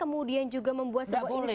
kemudian juga membuat sebuah instru